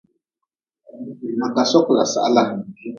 Ma ka sokla sahla.